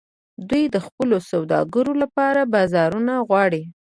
دوی د خپلو سوداګرو لپاره بازارونه غواړي